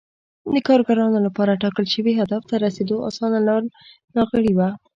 د کارګرانو لپاره ټاکل شوي هدف ته رسېدو اسانه لار ناغېړي وه